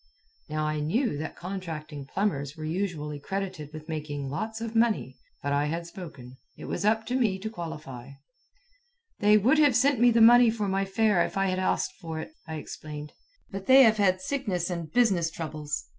Now I knew that contracting plumbers were usually credited with making lots of money. But I had spoken. It was up to me to qualify. "They would have sent me the money for my fare if I had asked for it," I explained, "but they have had sickness and business troubles.